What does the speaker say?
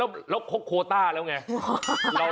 แล้วครบโคต้าแล้วไง